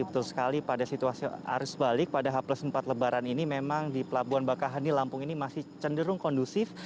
betul sekali pada situasi arus balik pada h empat lebaran ini memang di pelabuhan bakahani lampung ini masih cenderung kondusif